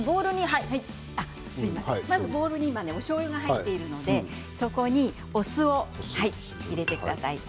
まずボウルにおしょうゆが入っているのでそこにお酢を入れてください。